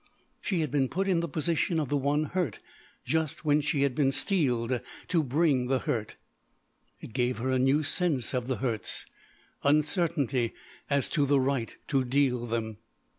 She had been put in the position of the one hurt just when she had been steeled to bring the hurt. It gave her a new sense of the hurts uncertainty as to the right to deal them.